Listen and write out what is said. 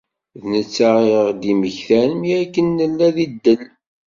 D netta i aɣ-d-immektan mi akken i nella di ddel.